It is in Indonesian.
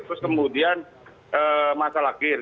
terus kemudian masalah kir